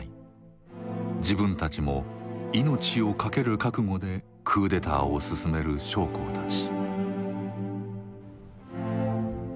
自分たちも命を懸ける覚悟でクーデターをすすめる将校たち。